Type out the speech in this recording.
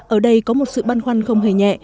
ở đây có một sự băn khoăn không hề nhẹ